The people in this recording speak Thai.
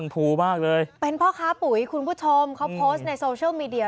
เป็นเพราะค้าปุ๋ยคุณผู้ชมเขาโพสต์ในโซเชียลมีเดีย